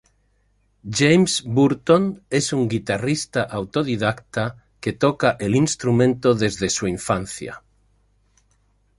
James Burton es un guitarrista autodidacta que toca el instrumento desde su infancia.